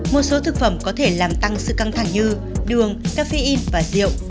một số thực phẩm có thể làm tăng sự căng thẳng như đường safein và rượu